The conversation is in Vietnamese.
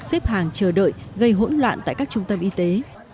xếp hàng chờ đợi gây hỗn loạn tại các trung tâm y tế